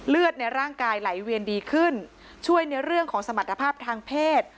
ในร่างกายไหลเวียนดีขึ้นช่วยในเรื่องของสมรรถภาพทางเพศ